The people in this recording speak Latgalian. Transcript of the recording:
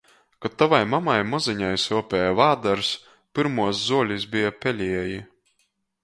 Kod tavai mamai mozeņai suopieja vādars, pyrmuos zuolis beja pelieji.